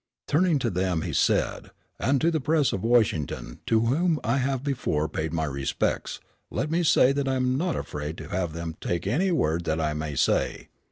Turning to them he said, "And to the press of Washington, to whom I have before paid my respects, let me say that I am not afraid to have them take any word that I may say.